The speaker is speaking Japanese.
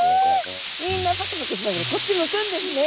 みんなパクパクしながらこっちむくんですね。